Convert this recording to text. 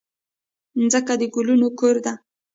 مځکه د ګلونو کور ده.